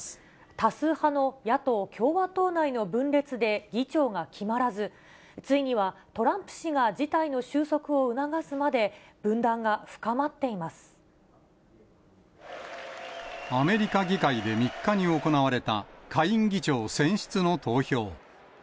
多数派の野党・共和党内の分裂で議長が決まらず、ついにはトランプ氏が事態の収束を促すまで、分断が深まっていまアメリカ議会で３日に行われた下院議長選出の投票。